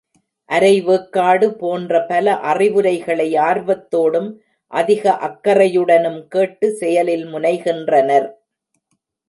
அரை வேக்காடு போன்ற பல அறிவுரைகளை ஆர்வத்தோடும், அதிக அக்கறையுடனும் கேட்டு, செயலில் முனைகின்றனர்.